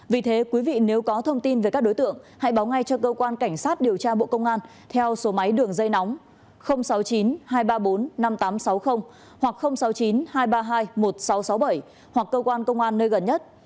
vì thế quý vị nếu có thông tin về các đối tượng hãy báo ngay cho cơ quan cảnh sát điều tra bộ công an theo số máy đường dây nóng sáu mươi chín hai trăm ba mươi bốn năm nghìn tám trăm sáu mươi hoặc sáu mươi chín hai trăm ba mươi hai một nghìn sáu trăm sáu mươi bảy hoặc cơ quan công an nơi gần nhất